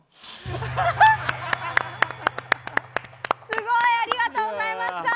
すごい！ありがとうございました！